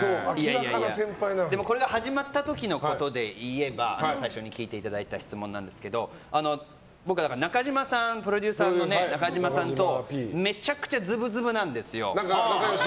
これが始まった時のことでいえば最初に聞いていただいた質問なんですけど僕、プロデューサーの中嶋さんとめちゃくちゃズブズブなんです。